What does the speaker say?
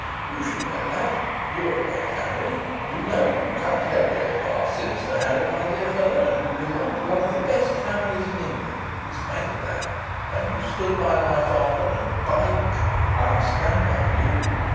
You should know that you are of our family, you know you cannot help your bar sinister, Harry, my dear fellow; and you belong to one of the best families in England, in spite of that; and you stood by my father, and by G ! I'll stand by you.